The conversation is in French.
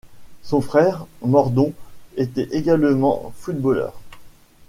Son frère, Mordon, était également footballeur.